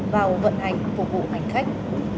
vào vận hành phục vụ hành khách